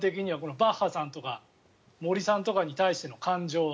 バッハさんとか森さんとかに対しての感情は。